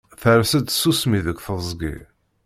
Ters-d tsusmi deg teẓgi.